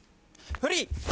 フリー！